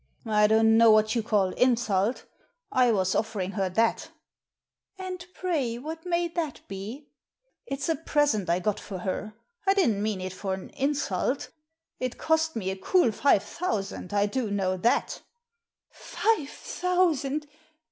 " I don't know what you call insult I was offering her that" "And pray what may that be ?"" It's a present I got for her. I didn't mean it for an insult It cost me a cool five thousand, I do know that" " Five thousand